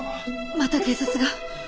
また警察が。